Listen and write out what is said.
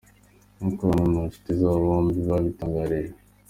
Nkuko bamwe mu nshuti zaba bombi babitangarije.